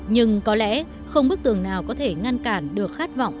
nhưng có lẽ không bức tường nào có thể ngăn cản được khát vọng